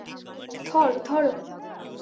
থর, ধরো!